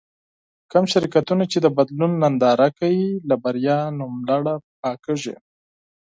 کوم شرکتونه چې د بدلون ننداره کوي له بريا نوملړه پاکېږي.